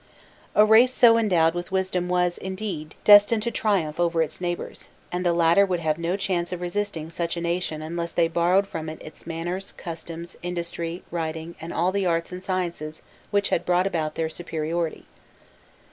A race so endowed with wisdom was, indeed, destined to triumph over its neighbours, and the latter would have no chance of resisting such a nation unless they borrowed from it its manners, customs, industry, writing, and all the arts and sciences which had brought about their superiority.